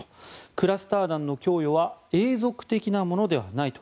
クラスター弾の供与は永続的なものではないと。